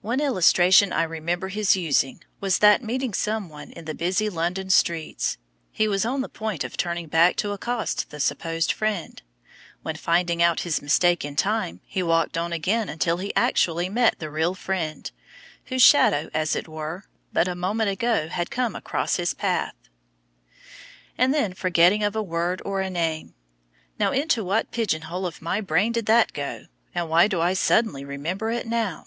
One illustration I remember his using was, that meeting someone in the busy London streets, he was on the point of turning back to accost the supposed friend, when finding out his mistake in time he walked on again until he actually met the real friend, whose shadow, as it were, but a moment ago had come across his path. And then the forgetting of a word or a name. "Now into what pigeon hole of my brain did that go, and why do I suddenly remember it now?"